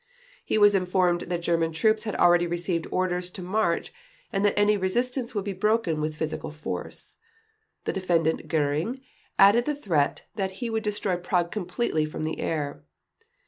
He was informed that German troops had already received orders to march and that any resistance would be broken with physical force. The Defendant Göring added the threat that he would destroy Prague completely from the air.